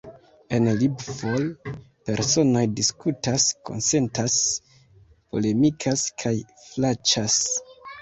En LibFol, personoj diskutas, konsentas, polemikas kaj klaĉas.